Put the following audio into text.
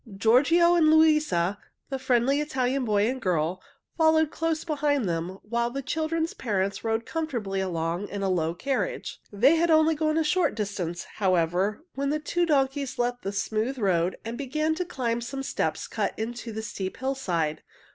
Giorgio and Luisa, the friendly Italian boy and girl, followed close behind them, while the children's parents rode comfortably along in a low carriage. They had gone only a short distance, however, when the two donkeys left the smooth road and began to climb some steps cut into the steep hillside.